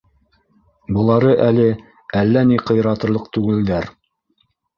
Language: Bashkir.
Былары әле әллә ни ҡыйратырлыҡ түгелдәр.